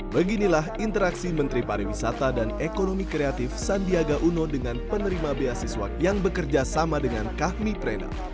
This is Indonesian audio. beginilah interaksi menteri pariwisata dan ekonomi kreatif sandiaga uno dengan penerima beasiswa yang bekerja sama dengan kahmi prena